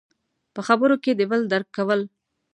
– په خبرو کې د بل درک کول.